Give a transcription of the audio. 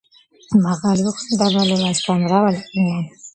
მაღალი, უხვი, მდაბალი, ლაშქარ-მრავალი, ყმიანი,